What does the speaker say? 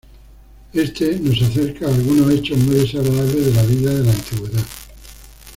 Este nos acerca a algunos hechos muy desagradables de la vida de la Antigüedad.